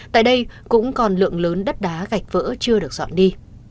tại đây cũng còn lượng lớn đất đá gạch vỡ chưa được dọn đi